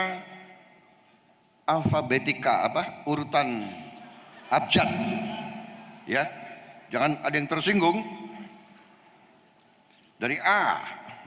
hai alfabetika apa urutan abjad ya jangan ada yang tersinggung dari ah